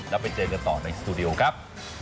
แล้วไปเจอกันต่อในสตูดิโอครับ